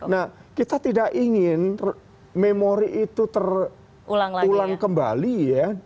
nah kita tidak ingin memori itu terulang kembali ya